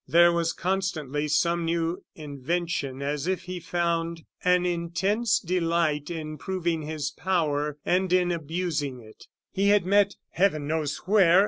There was constantly some new invention, as if he found an intense delight in proving his power and in abusing it. He had met, Heaven knows where!